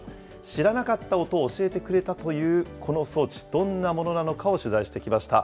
知らなかった音を教えてくれたというこの装置、どんなものなのかを取材してきました。